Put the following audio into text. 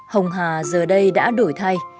hồng hà giờ đây đã đổi thay